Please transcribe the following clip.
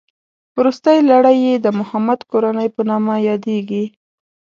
روستۍ لړۍ یې د محمد کورنۍ په نامه یادېږي.